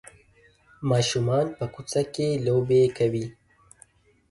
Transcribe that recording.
ماشومان په کوڅه کې لوبې کوي.